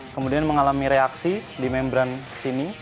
kemudian mengalami reaksi di membran sini